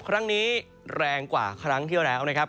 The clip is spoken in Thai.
ครั้งนี้แรงกว่าครั้งที่แล้วนะครับ